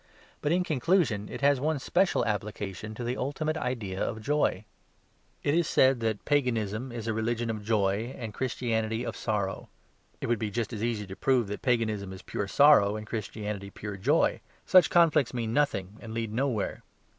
But, in conclusion, it has one special application to the ultimate idea of joy. It is said that Paganism is a religion of joy and Christianity of sorrow; it would be just as easy to prove that Paganism is pure sorrow and Christianity pure joy. Such conflicts mean nothing and lead nowhere.